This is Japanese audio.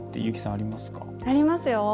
ありますよ。